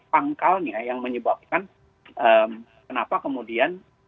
pangkalnya yang menyebabkan kenapa kemudian